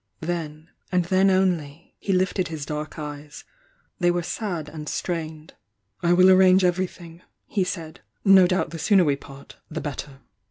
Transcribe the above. Then, and then only, he lifted his dark eyes, — they were sad and strained. "I will arrange everythmg," he said. "No doubt the sooner we part, the better!"